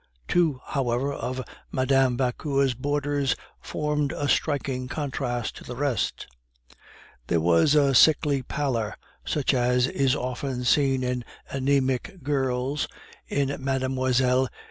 Two, however, of Mme. Vauquer's boarders formed a striking contrast to the rest. There was a sickly pallor, such as is often seen in anaemic girls, in Mlle.